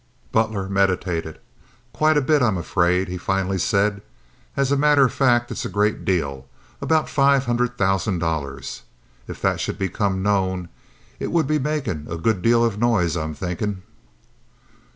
Butler meditated. "Quite a bit, I'm afraid," he finally said. "As a matter of fact, it's a great deal—about five hundred thousand dollars. If that should become known, it would be makin' a good deal of noise, I'm thinkin'."